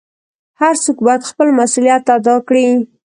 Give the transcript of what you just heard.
هر څوک بايد خپل مسؤليت ادا کړي .